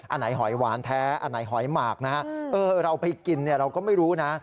อันไหนหอยหวานแท้อันไหนหอยหมากนะฮะเราไปกินเนี่ยเราก็ไม่รู้นะ